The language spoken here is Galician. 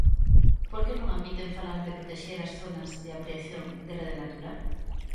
¿Por que non admiten falar de protexer as zonas de ampliación de Rede Natura?